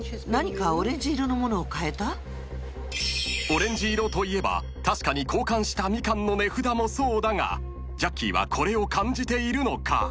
［オレンジ色といえば確かに交換したミカンの値札もそうだがジャッキーはこれを感じているのか？］